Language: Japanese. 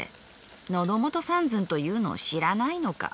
のどもと三寸というのを知らないのか。